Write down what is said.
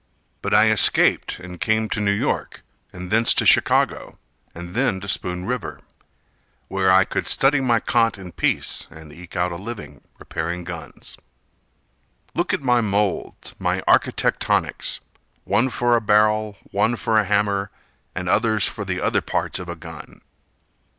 But I escaped and came to New York And thence to Chicago, and then to Spoon River, Where I could study my Kant in peace And eke out a living repairing guns Look at my moulds! My architectonics One for a barrel, one for a hammer And others for other parts of a gun!